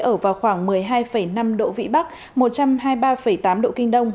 ở vào khoảng một mươi hai năm độ vĩ bắc một trăm hai mươi ba tám độ kinh đông